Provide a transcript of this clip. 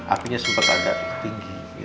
apinya sempat agak tinggi